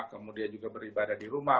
kemudian juga beribadah di rumah